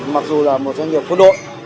mặc dù là một doanh nghiệp quân đội